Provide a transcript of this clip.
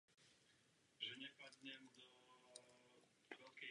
Následně podlehl svým zraněním.